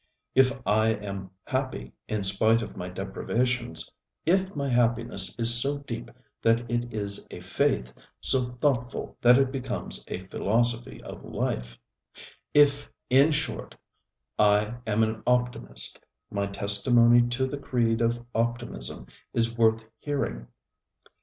If I am happy in spite of my deprivations, if my happiness is so deep that it is a faith, so thoughtful that it becomes a philosophy of life, if, in short, I am an optimist, my testimony to the creed of optimism is worth hearing.